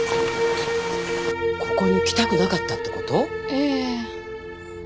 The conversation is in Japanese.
ここに来たくなかったってこと？